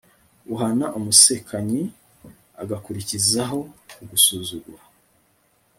uhana umusekanyi agakurizaho kugusuzugura